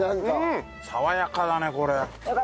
爽やかだねこれ。